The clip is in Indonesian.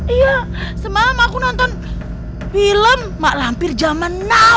iya semalam aku nonton film mak lampir zaman now